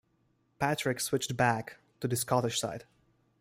Patrick switched back to the Scottish side.